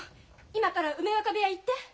今から梅若部屋行って！